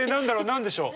何でしょう？